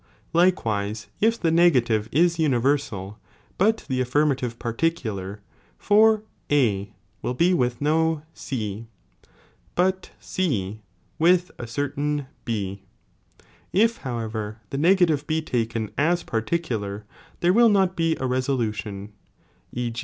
Likewise, if the negative ia universal, but the affirmative particular, for A will be with no C, but C with a certiun B ; if however the ^. negative be taken aa particular, there will not be a resolution,* e.